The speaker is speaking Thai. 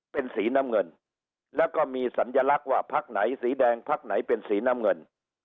เป็นสีน้ำเงินแล้วก็มีสัญลักษณ์ว่าพักไหนสีแดงพักไหนเป็นสีน้ำเงิน